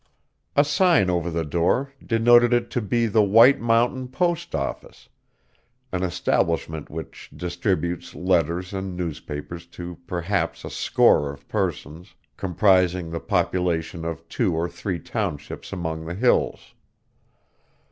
A sign over the door denoted it to be the White Mountain Post Office an establishment which distributes letters and newspapers to perhaps a score of persons, comprising the population of two or three townships among the hills.